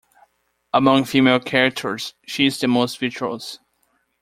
Among female characters she is the most virtuous.